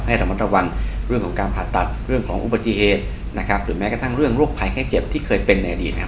ระมัดระวังเรื่องของการผ่าตัดเรื่องของอุบัติเหตุนะครับหรือแม้กระทั่งเรื่องโรคภัยไข้เจ็บที่เคยเป็นในอดีตเนี่ย